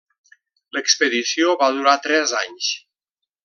L'expedició va durar tres anys.